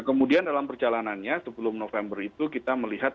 kemudian dalam perjalanannya sebelum november itu kita melihat